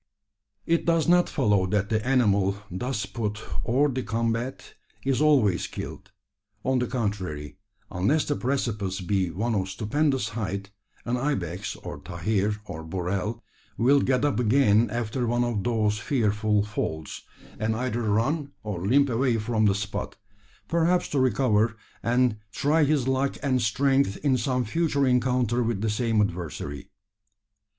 It does not follow that the animal thus put hors de combat is always killed. On the contrary, unless the precipice be one of stupendous height, an ibex, or tahir, or burrell, will get up again after one of those fearful falls; and either run or limp away from the spot perhaps to recover, and try his luck and strength in some future encounter with the same adversary.